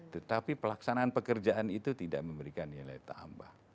tetapi pelaksanaan pekerjaan itu tidak memberikan nilai tambah